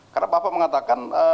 karena bapak mengatakan